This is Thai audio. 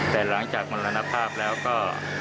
แต่หลังจากมรณภาพแล้วก็